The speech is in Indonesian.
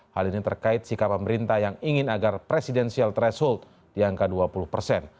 hal ini terkait sikap pemerintah yang ingin agar presidensial threshold di angka dua puluh persen